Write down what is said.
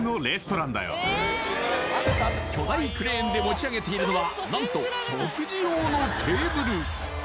巨大クレーンで持ち上げているのは何と食事用のテーブル